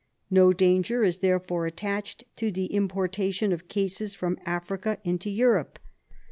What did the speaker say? No danger is therefore attached to the importa tion of cases from Africa into Europe.